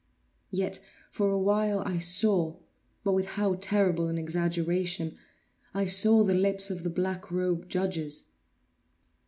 Yet, for a while, I saw—but with how terrible an exaggeration! I saw the lips of the black robed judges.